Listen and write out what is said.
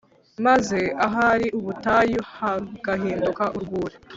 maze ahari ubutayu hagahinduka urwuri